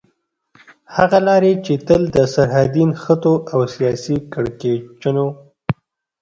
هغه لارې چې تل د سرحدي نښتو او سياسي کړکېچونو